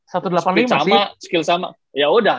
sama skill sama yaudah